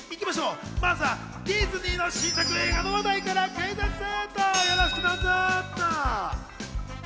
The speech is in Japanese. まずはディズニーの新作映画の話題からクイズッス。